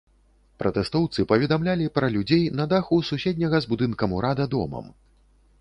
Пратэстоўцы паведамлялі пра людзей на даху суседняга з будынкам ўрада домам.